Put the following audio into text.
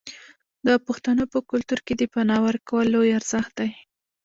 د پښتنو په کلتور کې د پنا ورکول لوی ارزښت دی.